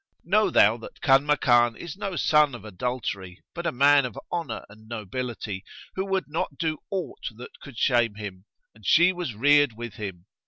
Know thou that Kanmakan is no son of adultery, but a man of honour and nobility, who would not do aught that could shame him, and she was reared with him.